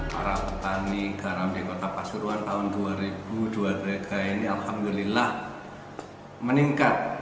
para petani garam di kota pasuruan tahun dua ribu dua puluh mereka ini alhamdulillah meningkat